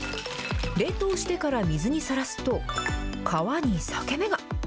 冷凍してから水にさらすと皮に裂け目が。